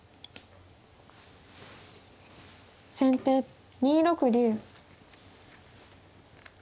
先手２六竜。